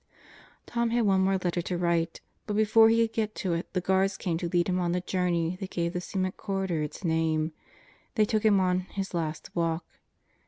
Tom had one more letter to write, but before he could get to it the guards came to lead him on the journey that gave the cement corridor its name. They took him on his 'last walk."